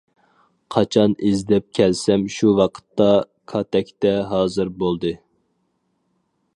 قاچان ئىزدەپ كەلسەم شۇ ۋاقىتتا كاتەكتە «ھازىر» بولدى.